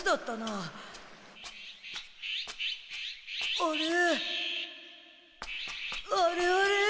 あれあれ？